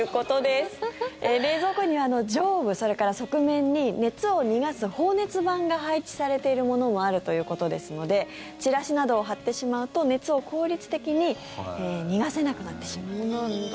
冷蔵庫には上部、それから側面に熱を逃がす放熱板が配置されているものもあるということですのでチラシなどを貼ってしまうと熱を効率的に逃がせなくなってしまうと。